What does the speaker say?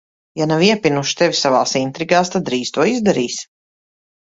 Ja nav iepinuši tevi savās intrigās, tad drīz to izdarīs.